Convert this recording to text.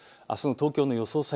あすの東京の予想